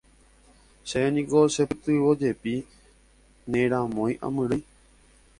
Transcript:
Chéve niko chepytyvõjepi ne ramói amyrỹi.